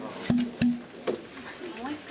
もう１回。